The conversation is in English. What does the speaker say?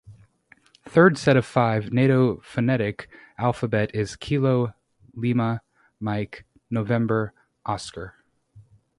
Third set of five Nato phonetic alphabet is Kilo, Lima, Mike, November, Oscar.